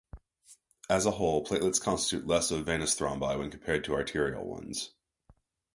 As a whole, platelets constitute less of venous thrombi when compared to arterial ones.